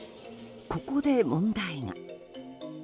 ここで問題が。